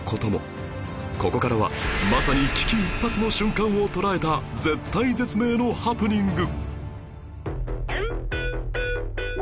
ここからはまさに危機一髪の瞬間を捉えた絶体絶命のハプニング